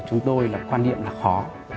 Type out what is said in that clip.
chúng tôi là quan điểm là khó